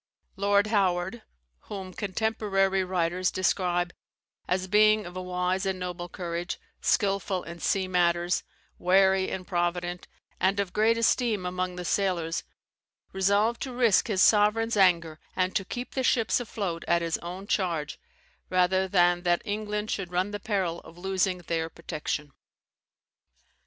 Lord Howard (whom contemporary writers describe as being of a wise and noble courage, skilful in sea matters, wary and provident, and of great esteem among the sailors) resolved to risk his sovereign's anger, and to keep the ships afloat at his own charge, rather than that England should run the peril of losing their protection.